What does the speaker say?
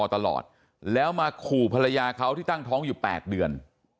ตลอดแล้วมาขู่ภรรยาเขาที่ตั้งท้องอยู่๘เดือน